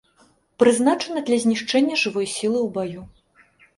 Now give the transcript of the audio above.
Прызначана для знішчэння жывой сілы ў баю.